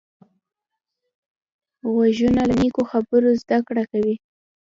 غوږونه له نیکو خبرو زده کړه کوي